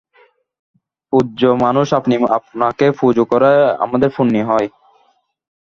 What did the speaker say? পূজ্য মানুষ আপনি, আপনাকে পুজো করে আমাদের পুণ্যি হয়।